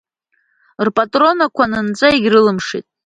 Рпатронақәа анынҵәа егьрылымшеит.